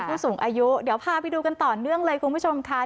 ผู้สูงอายุเดี๋ยวพาไปดูกันต่อเนื่องเลยคุณผู้ชมค่ะ